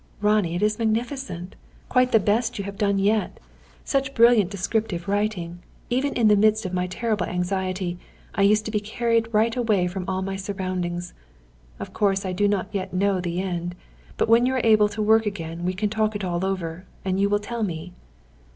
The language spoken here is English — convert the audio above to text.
"Ronnie, it is magnificent! Quite the best thing you have done yet. Such brilliant descriptive writing. Even in the midst of my terrible anxiety, I used to be carried right away from all my surroundings. Of course I do not yet know the end; but when you are able to work again we can talk it all over, and you will tell me."